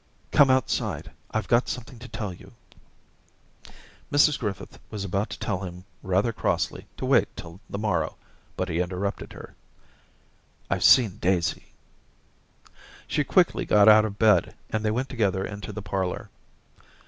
* Come outside ; Fve got something to tell you.' Mrs Griffith was about to tell him rather crossly to wait till the morrow, but he interrupted her, —* I've seen Daisy.' She quickly got out of bed, and they went together into the parlour.